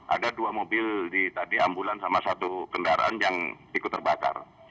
ada dua mobil di tadi ambulan sama satu kendaraan yang ikut terbakar